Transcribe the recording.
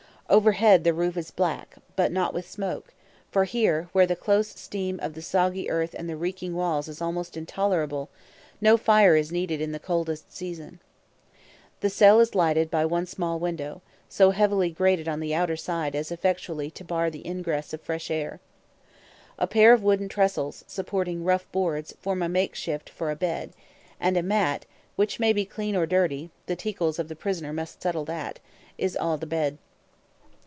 Overhead, the roof is black, but not with smoke; for here, where the close steam of the soggy earth and the reeking walls is almost intolerable, no fire is needed in the coldest season. The cell is lighted by one small window, so heavily grated on the outer side as effectually to bar the ingress of fresh air. A pair of wooden trestles, supporting rough boards, form a makeshift for a bedstead, and a mat (which may be clean or dirty, the ticals of the prisoner must settle that) is all the bed.